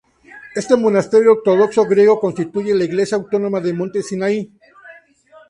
Este monasterio ortodoxo griego constituye la Iglesia Autónoma de Monte Sinaí.